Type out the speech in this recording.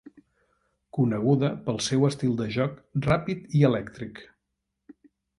Coneguda pel seu estil de joc ràpid i elèctric.